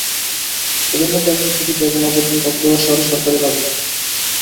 তাঁদের মধ্যে একজন ছুটিতে এবং অপরজন কক্সবাজার শহরে সরকারি কাজে যান।